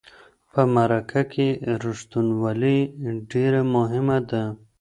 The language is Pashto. په مرکه کې رښتینولي ډیره مهمه ده.